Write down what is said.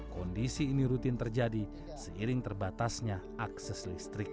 kondisi ini rutin terjadi seiring terbatasnya akses listrik